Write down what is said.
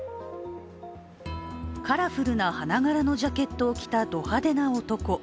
カラフルな花柄のジャケットを着たド派手な男。